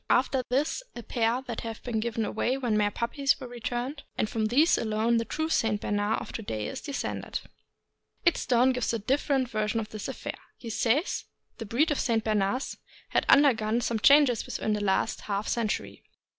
After this a pair that had been given away when mere puppies were returned, and from these alone the true St. Bernard of to day is descended. "Idstone" gives a different version of this affair. He says: The breed of St. Bernards has undergone some changes within the last half century.